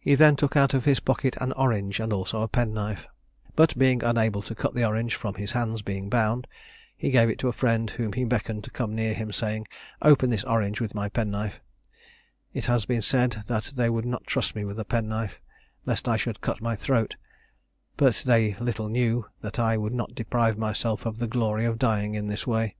He then took out of his pocket an orange, and also a penknife; but being unable to cut the orange, from his hands being bound, he gave it to a friend, whom he beckoned to come near him, saying, "Open this orange with my penknife; it has been said they would not trust me with a penknife, lest I should cut my throat; but they little knew that I would not deprive myself of the glory of dying in this way."